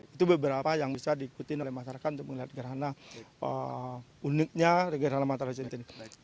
itu beberapa yang bisa diikuti oleh masyarakat untuk melihat gerhana uniknya gerhana matahari ciri